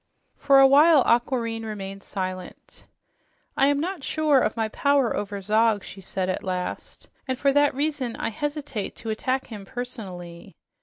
For a while Aquareine remained silent. "I am not sure of my power over him," she said at last, "and for that reason I hesitate to attack him personally.